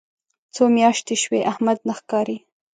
څو میاشتې شوې احمد نه ښکاري.